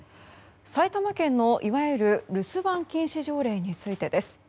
埼玉県のいわゆる留守番禁止条例についてです。